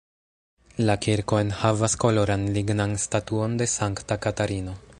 La kirko enhavas koloran lignan statuon de sankta Katarino.